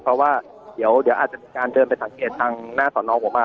เพราะว่าเดี๋ยวอาจจะมีการเดินไปสังเกตทางหน้าสอนองผมมา